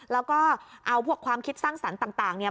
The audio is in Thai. แล้วก็เอาพวกความคิดสร้างสรรค์ต่างเนี่ย